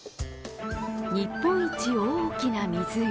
日本一大きな湖